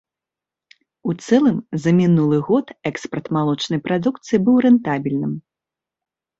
У цэлым за мінулы год экспарт малочнай прадукцыі быў рэнтабельным.